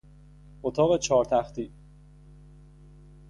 اتاق چهار تختی